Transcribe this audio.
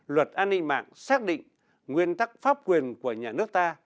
luật an ninh mạng xác định nguyên tắc pháp quyền của nhà nước ta